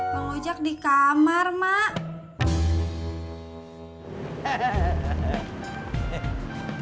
bang ojak di kamar mak